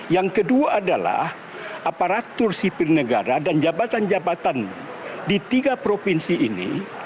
yang kedua adalah aparatur sipil negara dan jabatan jabatan di tiga provinsi ini